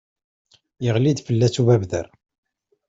Iɣli-d fell-as ubabder.